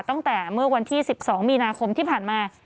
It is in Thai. ตั้งแต่เมื่อวันที่๑๒มีนาคมที่ผ่านมา